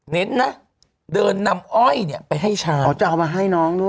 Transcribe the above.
เน้นนะเดินนำอ้อยเนี่ยไปให้ช้างอ๋อจะเอามาให้น้องด้วย